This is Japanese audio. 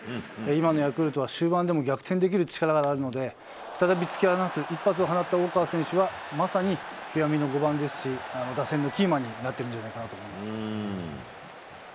今のヤクルトは終盤でも逆転できる力があるので、再び突き放す一発を放ったウォーカー選手はまさに極みの５番ですし、打線のキーマンになっているんじゃないかと思います。